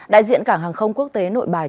đại diện cảng hàng không quốc tế nội bài